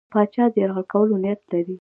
پاچا د یرغل کولو نیت لري.